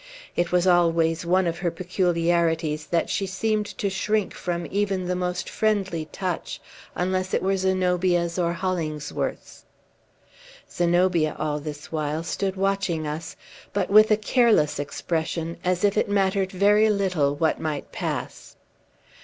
It was always one of her peculiarities that she seemed to shrink from even the most friendly touch, unless it were Zenobia's or Hollingsworth's. Zenobia, all this while, stood watching us, but with a careless expression, as if it mattered very little what might pass.